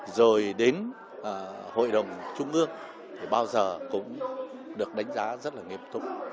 rồi đến hội đồng trung ương thì bao giờ cũng được đánh giá rất là nghiêm túc